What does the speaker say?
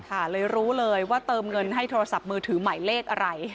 ค่ะเลยรู้เลยว่าเติมเงินให้โทรศัพท์มือถือหมายเลขอะไร